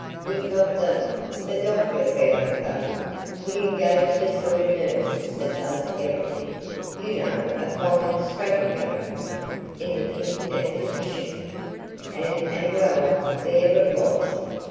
We got the the doctor found a we engaged the sort of nurse that does everything, you know a fine, strapping young woman, in the pink of condition; and and well, there it was.